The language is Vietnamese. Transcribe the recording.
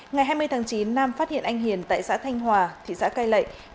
ngày hai mươi tháng chín nam phát hiện anh hiền tại xã thanh hòa thị xã cai lệ